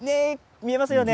見えますよね。